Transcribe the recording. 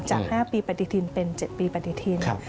จาก๕ปีปฏิทินเป็น๗ปีปฏิทิน